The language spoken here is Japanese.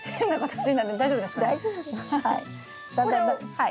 はい。